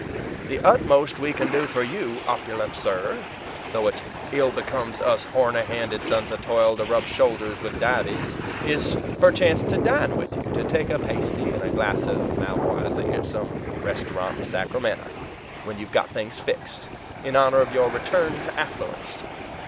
The utmost we can do for you, opulent sir though it ill becomes us horny handed sons of toil to rub shoulders with Dives is perchance to dine with you, to take a pasty and a glass of Malvoisie, at some restaurant in Sacramento when you've got things fixed, in honor of your return to affluence.